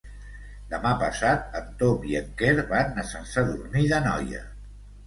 Demà passat en Tom i en Quer van a Sant Sadurní d'Anoia.